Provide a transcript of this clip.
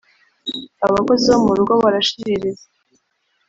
abakozi bo mu rugo barashiririza